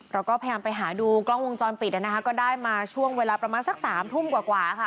เราก็พยายามไปหาดูกล้องวงจรปิดนะคะก็ได้มาช่วงเวลาประมาณสักสามทุ่มกว่าค่ะ